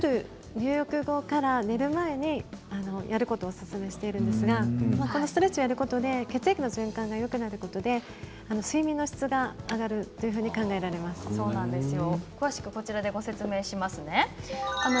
入浴後から寝る前にやることをおすすめしているんですがこのストレッチをやることで血液の循環がよくなることで睡眠の質が上がるというふうに詳しくご説明しますね。